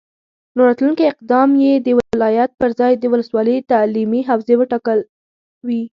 نو راتلونکی اقدام چې د ولایت پرځای د ولسوالي تعلیمي حوزې ټاکل وي،